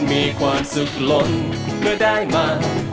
มีความสุขหล่นเมื่อได้มา